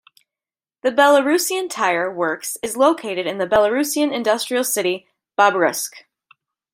The Belarusian tyre works is located in the Belarusian industrial city Babruysk.